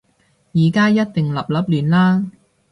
而家一定立立亂啦